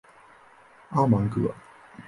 阿芒格。